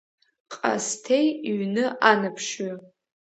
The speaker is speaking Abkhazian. Ҟасҭеи иҩны анаԥшҩы.